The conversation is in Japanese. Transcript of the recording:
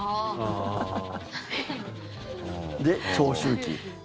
で、長周期。